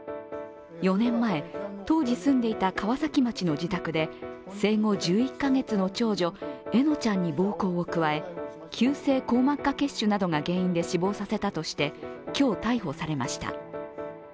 ４年前、当時住んでいた川崎町の自宅で生後１１カ月の長女笑乃ちゃんに暴行を加え急性硬膜下血腫などが原因で死亡させたとして今日、逮捕されました。